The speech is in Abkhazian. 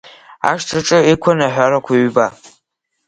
Ашҭаҿы иқәын аҳәарақәа ҩба.